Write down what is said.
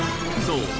そう。